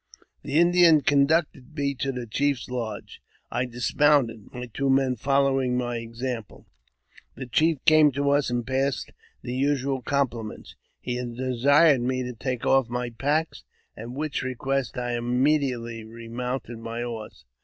' The Indian conducted me to the chief's lodge. I dismounted, my two men following my example. The chief came to us, and passed the usual compliments. He desired me to take off my packs, at which request I immediately remounted my horse.